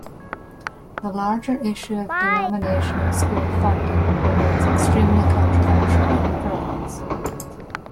The larger issue of denominational school funding remains extremely controversial in the province.